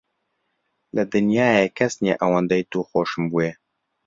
لە دنیایێ کەس نییە ئەوەندەی توو خۆشم بوێ.